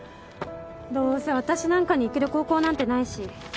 どうせ私なんかに行ける高校なんてないし